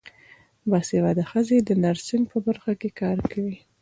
باسواده ښځې د نرسنګ په برخه کې کار کوي.